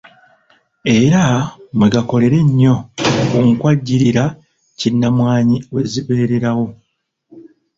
Era mwe gakolera ennyo ku nkwajjirira kinnamwanyi we zibeererawo.